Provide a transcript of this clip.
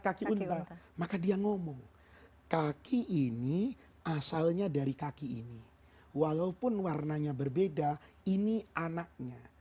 kaki unta maka dia ngomong kaki ini asalnya dari kaki ini walaupun warnanya berbeda ini anaknya